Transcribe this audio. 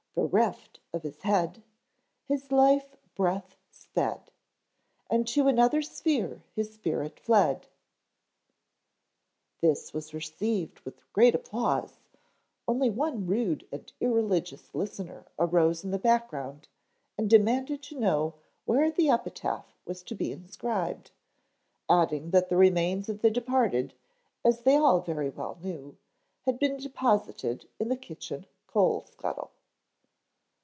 Bereft of his head, His life breath sped, And to another sphere his spirit fled. This was received with great applause, only one rude and irreligious listener arose in the background and demanded to know where the epitaph was to be inscribed, adding that the remains of the departed, as they all very well knew, had been deposited in the kitchen coal scuttle.